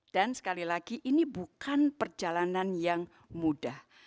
dan sekali lagi ini bukan perjalanan yang mudah